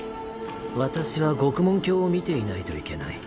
私は獄門疆を見ていないといけない。